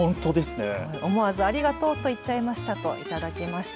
思わずありがとうと言っちゃいましたと頂きました。